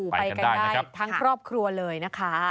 ไปกันได้นะครับค่ะอู้ไปกันได้ทั้งครอบครัวเลยนะคะ